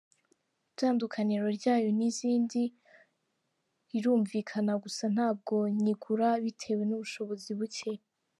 Itandukaniro ryayo n’izindi rirumvikana, gusa ntabwo nyigura bitewe n’ubushobozi buke.